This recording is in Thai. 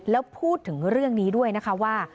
แล้วพูดถึงเรื่องนี้ด้วยนะคะว่า